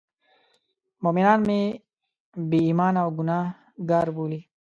مومنان مې بې ایمانه او ګناه کار بولي.